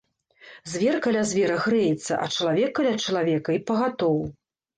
Звер каля звера грэецца, а чалавек каля чалавека й пагатоў.